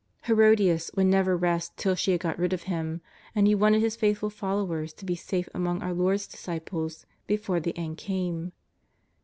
Herodias would never rest till she had got rid of him, and he wanted his faithful followers to be safe among our Lord's disciples before the end came.